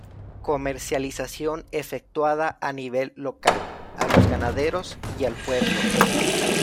Comercialización efectuada a nivel local, a los ganaderos y al pueblo.